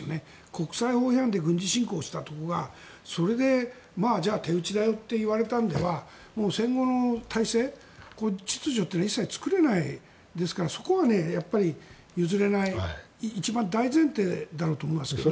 国際法違反で軍事侵攻したところがそれで手打ちだよって言われたのでは戦後の体制、秩序というのは一切作れないですからそこは譲れない一番大前提だろうと思いますね。